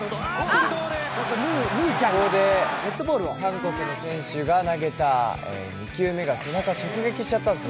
これで韓国の選手が投げた１球目が背中を直撃しちゃったんです。